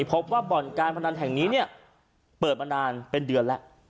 พบว่าบ่อนการพนันแห่งนี้เปิดมานานเป็นเดือนแล้ว